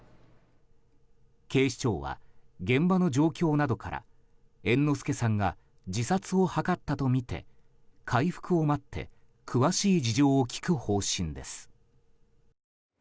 警視庁は現場の状況などから猿之助さんが自殺を図ったとみて回復を待って詳しい事情を聴く方針です。